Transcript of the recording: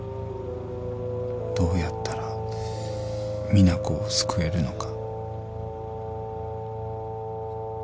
［どうやったら実那子を救えるのか］